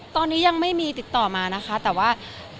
ตอนนี้ยังไม่มีติดต่อมานะคะแต่ว่า